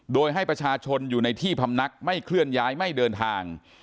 โดยให้ประชาชนอยู่ในที่พำนักไม่เคลื่อนย้ายไม่เดินทาง